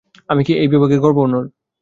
আমি এই বিভাগের গভর্নর।